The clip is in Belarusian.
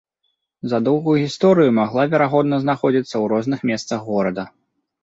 За доўгую гісторыю магла, верагодна, знаходзіцца ў розных месцах горада.